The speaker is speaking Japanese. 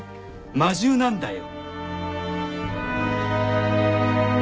魔銃なんだよ！